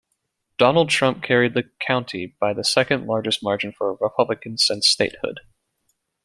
Donald Trump carried the county by the second-largest margin for a Republican since statehood.